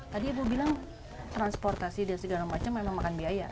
tadi ibu bilang transportasi dan segala macam memang makan biaya